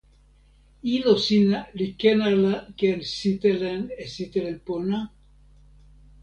ilo sina li ken ala ken sitelen e sitelen pona?